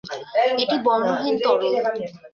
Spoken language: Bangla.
এটি বর্ণহীন তরল।